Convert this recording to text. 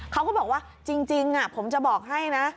เขาก็บอกว่าจริงผมจะบอกให้นะ